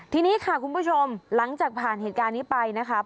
ทีนี้ค่ะคุณผู้ชมหลังจากผ่านเหตุการณ์นี้ไปนะครับ